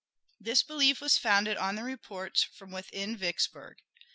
This belief was founded on the reports from within Vicksburg.